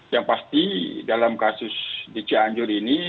yang pasti dalam kasus di cianjur ini